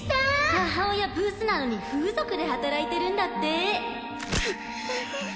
母親ブスなのに風俗で働いてるんだって